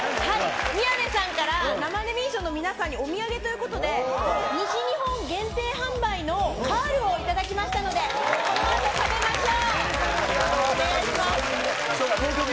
宮根さんから生デミー賞の皆さんにお土産ということで、西日本限定販売のカールを頂きましたので、このあと食べましょう。